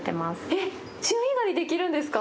えっ、潮干狩りできるんですか？